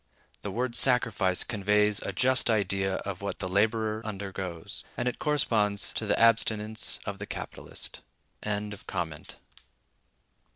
The word "sacrifice" conveys a just idea of what the laborer undergoes, and it corresponds to the abstinence of the capitalist.